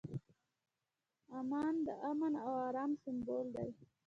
عمان د امن او ارام سمبول دی.